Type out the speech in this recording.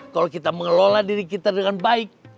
kalau kita mengelola diri kita dengan baik